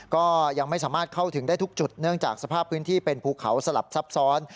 ก็ยังไม่สามารถเข้าถึงได้ทุกจุดเนื่องจากสภาพพื้นที่เป็นภูเขาสลับซับซ้อน